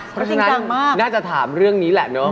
เพราะฉะนั้นน่าจะถามเรื่องนี้แหละเนอะ